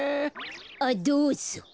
あっどうぞ。